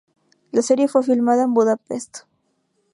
La serie fue filmada en Budapest.